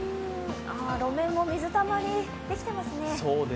路面も水たまり、できてますね。